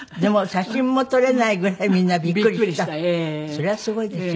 そりゃすごいですよね。